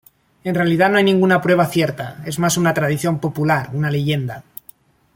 En realidad no hay ninguna prueba cierta, es más una tradición popular, una leyenda.